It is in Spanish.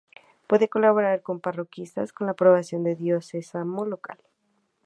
Pueden colaborar con parroquias con la aprobación del diocesano local.